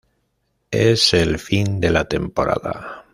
Es el fin de la temporada.